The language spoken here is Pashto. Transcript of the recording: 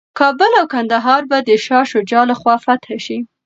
کابل او کندهار به د شاه شجاع لخوا فتح شي.